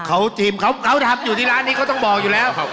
เขาทีมเขาทำอยู่ที่ร้านนี้เขาต้องบอกอยู่แล้ว